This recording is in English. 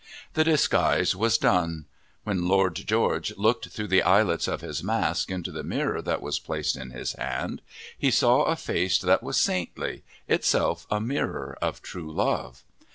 The disguise was done. When Lord George looked through the eyelets of his mask into the mirror that was placed in his hand, he saw a face that was saintly, itself a mirror of true love.